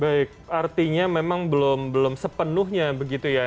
baik artinya memang belum sepenuhnya begitu ya